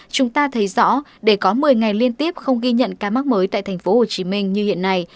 chúng ta thấy rõ để có một mươi ngày liên tiếp không ghi nhận ca mắc mới tại thành phố hồ chí minh như hiện nay